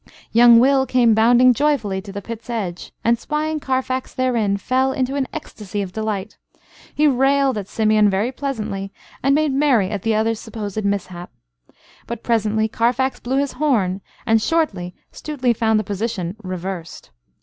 Young Will came bounding joyfully to the pit's edge, and, spying Carfax therein, fell into an ecstasy of delight. He railed at Simeon very pleasantly, and made merry at the other's supposed mishap. But presently Carfax blew his horn, and shortly Stuteley found the position reversed.